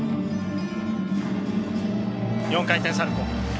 ４回転サルコー。